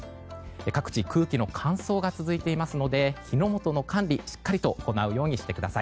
各地空気の乾燥が続いていますので火の元の管理、しっかりと行うようにしてください。